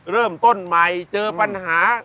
เริ่มต้นใหม่เจอปัญหา